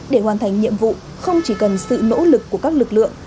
để hoàn thành nhiệm vụ không chỉ cần sự nỗ lực của các lực lượng